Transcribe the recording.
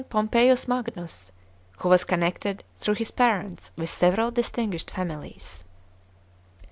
Pompeius Magnus, who was connected through his parents with several distinguished families.